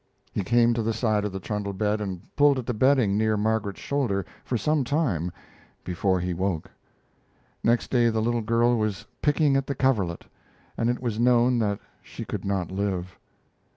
He came to the side of the trundle bed and pulled at the bedding near Margaret's shoulder for some time before he woke. Next day the little girl was "picking at the coverlet," and it was known that she could not live.